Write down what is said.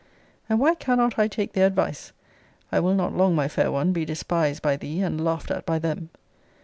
And why cannot I take their advice? I will not long, my fair one, be despised by thee, and laughed at by them!